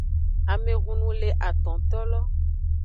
Amehunu le atontolo.